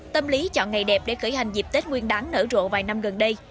tâm lý chọn ngày đẹp để khởi hành dịp tết nguyên đáng nở rộ vài năm gần đây